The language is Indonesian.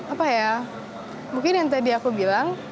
apa ya mungkin yang tadi aku bilang